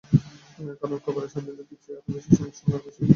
কারণ, কবরের শান্তি যুদ্ধের চেয়ে আরও বেশি নিঃসঙ্গ, আরও বেশি ভয়ংকর।